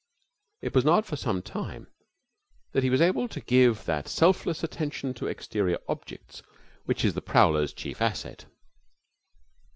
It was not for some time that he was able to give that selfless attention to exterior objects which is the prowler's chief asset.